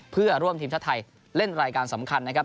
เพื่อร่วมทีมชาติไทยเล่นรายการสำคัญนะครับ